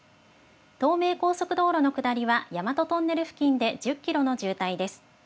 東名高速道路の下りは大和トンネル付近で１０キロの渋滞です。